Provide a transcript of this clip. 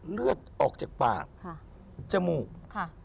เลือดออกจากปากจมูก